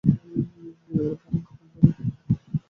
এই ভবন কার নামে?